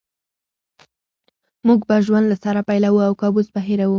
موږ به ژوند له سره پیلوو او کابوس به هېروو